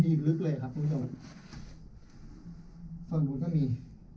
มีอีกลึกเลยครับคุณผู้ชมสมมุติก็มี